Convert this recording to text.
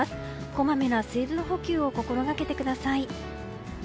こまめな水分補給を心掛けてください。